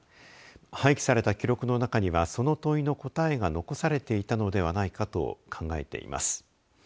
廃棄された記録の中にはその問いの答えが残されていたのではないかと考えています。